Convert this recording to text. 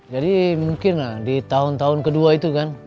jadi mungkin lah di tahun tahun ke dua itu kan